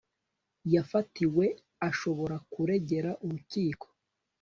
yafatiwe ashobora kuregera urukiko